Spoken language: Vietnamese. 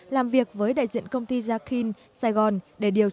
làm cho bệnh viện đều được bệnh viện